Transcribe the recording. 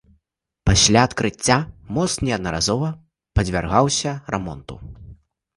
Пасля адкрыцця мост неаднаразова падвяргаўся рамонту.